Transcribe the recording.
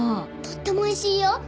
とってもおいしいよ！